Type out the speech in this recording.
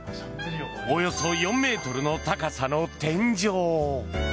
およそ４ｍの高さの天井。